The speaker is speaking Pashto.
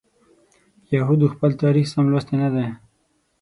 یهودو خپل تاریخ سم لوستی نه دی.